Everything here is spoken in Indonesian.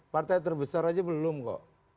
partai terbesar aja belum kok